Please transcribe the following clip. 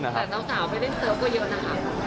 แต่สาวไปเล่นเสิร์ฟก็เยอะนะครับ